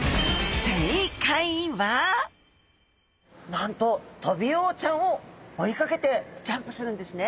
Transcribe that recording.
なんとトビウオちゃんを追いかけてジャンプするんですね。